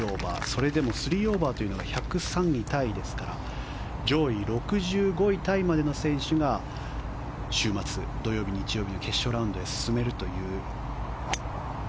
それでも３オーバーは１０３位タイですから上位６５位タイまでの選手が週末、土曜日、日曜日の決勝ラウンドへ進めるという。